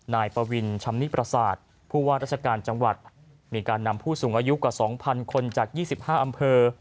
นายปวินชำนิประสาทผู้ว่าราชการจังหวัดมีการนำผู้สูงอายุกว่า๒๐๐คนจาก๒๕อำเภอ